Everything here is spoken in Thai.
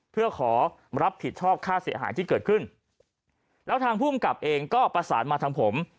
เพื่อขอรับผิดชอบค่าเสียหายที่เกิดขึ้นแล้วทางภูมิกับเองก็ประสานมาทางผม